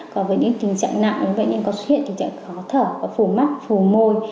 còn với những tình trạng nặng nếu bệnh nhân có suy hiện tình trạng khó thở có phủ mắt phủ môi